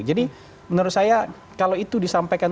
jadi menurut saya kalau itu disampaikan